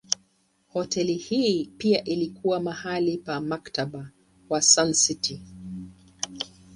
Hoteli hii pia ilikuwa mahali pa Mkataba wa Sun City.